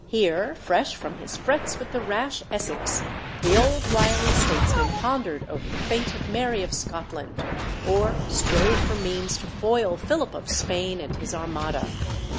Here, fresh from his frets with the rash Essex, the old wily statesman pondered over the fate of Mary of Scotland, or strove for means to foil Philip of Spain and his Armada.